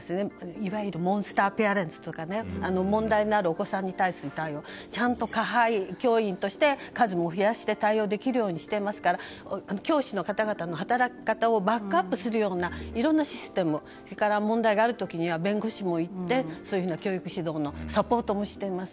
いわゆるモンスターペアレントとか問題になるお子さんに対する対応ちゃんと教員の数も増やして対応できるようにしていますから教師の方々の働き方をバックアップするようないろんなシステムをそれから問題がある時には弁護士も行ってそういうふうな教育指導のサポートもしています。